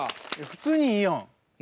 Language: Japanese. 普通にいいやん。